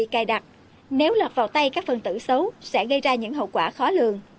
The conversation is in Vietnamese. cài đặt nếu lọt vào tay các phần tử xấu sẽ gây ra những hậu quả khó lường